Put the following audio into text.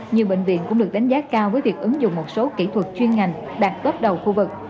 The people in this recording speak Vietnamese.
nhiều bệnh viện cũng được đánh giá cao với việc ứng dụng một số kỹ thuật chuyên ngành đạt cấp đầu khu vực